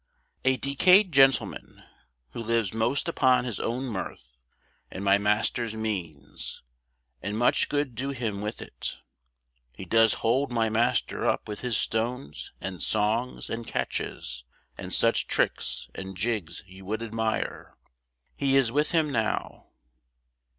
A decayed gentleman, who lives most upon his own mirth and my master's means, and much good do him with it. He does hold my master up with his stones, and songs, and catches, and such tricks, and jigs you would admire he is with him now.